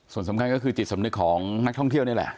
ส่วนสำคัญก็คือจิตสำนึกของนักท่องเที่ยวนี่แหละ